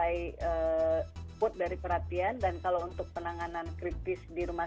jadi kalau bagi masyarakat yang tadi itu tanda tandanya sangat sampul